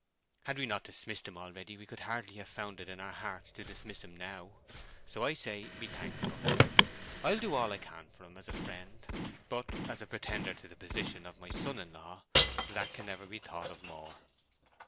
Had we not dismissed him already, we could hardly have found it in our hearts to dismiss him now. So I say, be thankful. I'll do all I can for him as a friend; but as a pretender to the position of my son in law, that can never be thought of more."